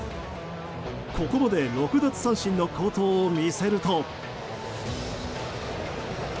ここまで６奪三振の好投を見せると。